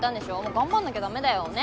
頑張んなきゃ駄目だよ。ね？